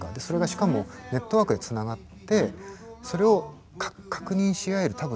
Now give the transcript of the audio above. それがしかもネットワークで繋がってそれを確認し合える